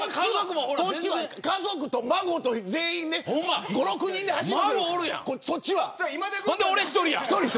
家族と孫と全員５、６人で走る。